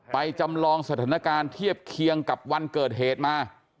จำลองสถานการณ์เทียบเคียงกับวันเกิดเหตุมา